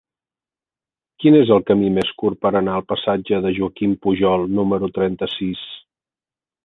Quin és el camí més curt per anar al passatge de Joaquim Pujol número trenta-sis?